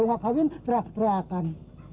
dia kalau gak kawin teriakan